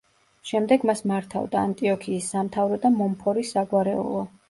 შემდეგ მას მართავდა ანტიოქიის სამთავრო და მონფორის საგვარეულო.